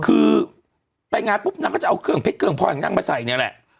คือไปงานปุ๊บนางก็จะเอาเครื่องเพชรเครื่องพ่อของนางมาใส่เนี่ยแหละ